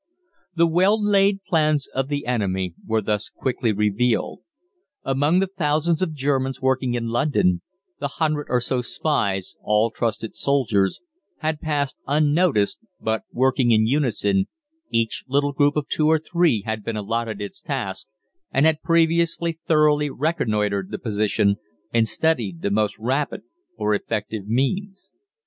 The well laid plans of the enemy were thus quickly revealed. Among the thousands of Germans working in London, the hundred or so spies, all trusted soldiers, had passed unnoticed but, working in unison, each little group of two or three had been allotted its task, and had previously thoroughly reconnoitred the position and studied the most rapid or effective means.